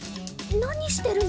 何してるの？